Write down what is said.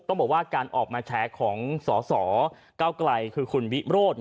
ต้องบอกว่าการออกมาแฉของสสเก้าไกลคือคุณวิโรธ